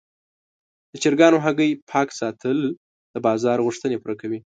د چرګانو هګۍ پاک ساتل د بازار غوښتنې پوره کوي.